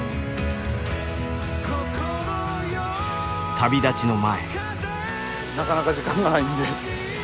旅立ちの前。